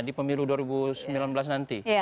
di pemilu dua ribu sembilan belas nanti